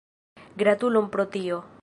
Gratulon pro tio!